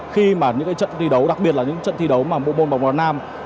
khi mà những trận thi đấu đặc biệt là những trận thi đấu mà bộ môn bóng đá nam